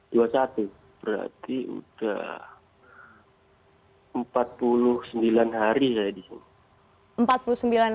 dua puluh satu berarti sudah empat puluh sembilan hari saya di sini